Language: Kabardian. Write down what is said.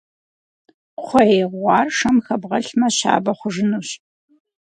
Кхъуей гъуар шэм хэбгъэлъмэ, щабэ хъужынущ.